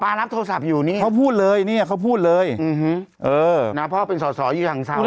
ป๊ารับโทรศัพท์อยู่นี่เขาพูดเลยนี่เขาพูดเลยอืมหึน่าพ่อเป็นส่อส่อยุหรือหังสาวด้วย